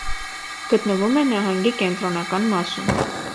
Գտնվում է նահանգի կենտրոնական մասում։